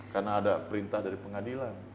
karena ada perintah dari pengadilan